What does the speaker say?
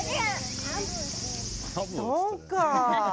そうか。